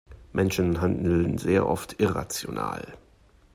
Menschen handeln sehr oft irrational.